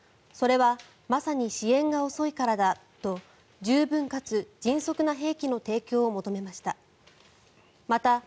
それはまさに支援が遅いからだと十分かつ迅速な兵器の提供を求めました。